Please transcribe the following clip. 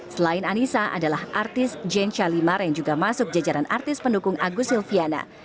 selain anissa adalah artis jane chalimar yang juga masuk jajaran artis pendukung agus silviana